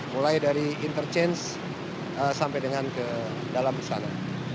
mulai dari interchange sampai dengan ke dalam istana